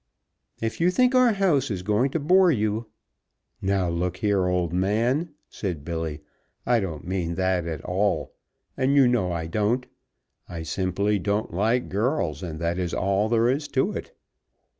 If you think our house is going to bore you " "Now, look here, old man," said Billy, "I don't mean that at all, and you know I don't. I simply don't like girls, and that is all there is to it.